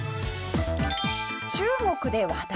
中国で話題。